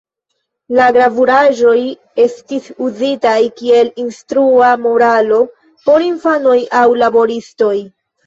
La gravuraĵoj estis uzitaj kiel instrua moralo por infanoj aŭ laboristoj.